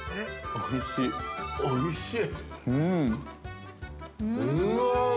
◆おいしい。